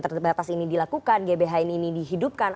terbatas ini dilakukan gbhn ini dihidupkan